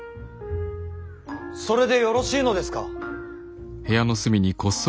それでよろしいのですか。